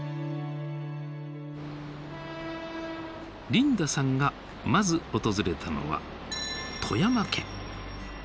リンダさんがまず訪れたのは富山県。